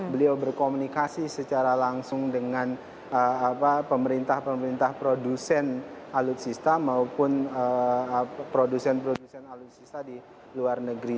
beliau berkomunikasi secara langsung dengan pemerintah pemerintah produsen alutsista maupun produsen produsen alutsista di luar negeri